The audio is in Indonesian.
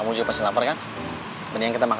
gue juga mau balik